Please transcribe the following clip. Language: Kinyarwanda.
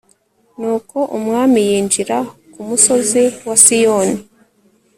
nuko umwami yinjira ku musozi wa siyoni